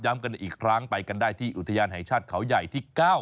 กันอีกครั้งไปกันได้ที่อุทยานแห่งชาติเขาใหญ่ที่๙